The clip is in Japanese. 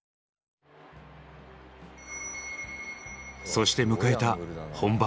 そして迎えた本番。